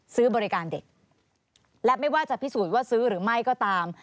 ซื้อบริการเด็กและไม่ว่าจะพิสูจน์ว่าซื้อหรือไม่ก็ตาม